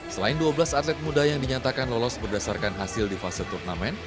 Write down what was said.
selain dua belas atlet muda yang dinyatakan lolos berdasarkan hasil di fase turnamen